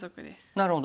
なるほど。